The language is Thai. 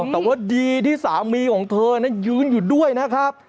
แต่ว่าดีที่สามีของเธอนั้นยืนอยู่ด้วยนะครับ